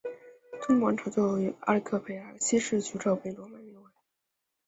托勒密王朝最后于克丽奥佩特拉七世去世后被罗马灭亡。